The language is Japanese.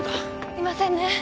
いませんね